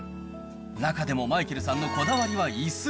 中でもマイケルさんのこだわりはいす。